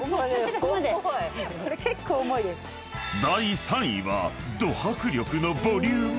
［第３位はド迫力のボリューム］